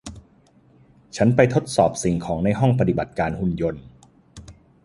ฉันไปทดสอบสิ่งของในห้องปฏิบัติการหุ่นยนต์